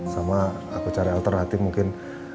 sama aku cari alternatif mungkin